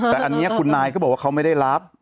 แต่อันนี้คุณนายเขาบอกว่าเขาไม่ได้รับ